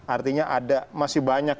artinya ada masih banyak